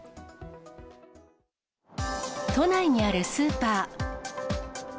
都内にあるスーパー。